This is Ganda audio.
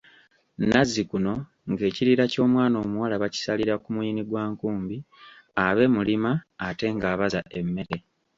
Nazzikuno ng'ekirira ky'omwana omuwala bakisalira ku muyini gwa nkumbi abe mulima ate ng'abaza emmere.